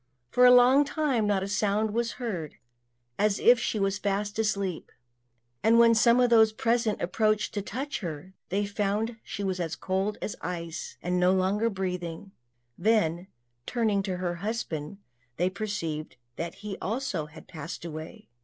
For a long time not a sound was heard, as if she was fast asleep; and when some of those present approached to touch her, they found she was as cold as ice, and no longer breathing; then, turning to her husband, they perceived that he also had passed away.